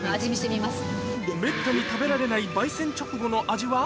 めったに食べられない焙煎直後の味は？